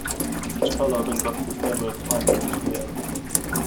Chkalov and got a diploma of pilot-engineer.